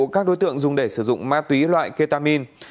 các đối tượng dùng để sử dụng ma túy loại ketamin